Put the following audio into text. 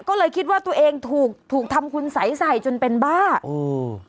ก็เลยคิดว่าตัวเองถูกถูกทำคุณสัยใส่จนเป็นบ้าโอ้